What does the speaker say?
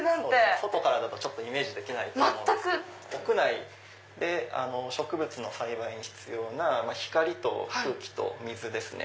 外からだとイメージできないと思うんですけど屋内で植物の栽培に必要な光と空気と水ですね。